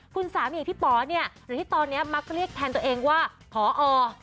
คุณสามีพี่ป๋อเนี่ยหรือที่ตอนนี้มักเรียกแทนตัวเองว่าพอ